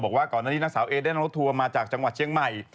บอกว่าก่อนหน้านี้นางสาวเอได้รถทัวร์มาจากจังหวัดเชียงใหม่